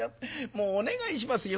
もうお願いしますよ。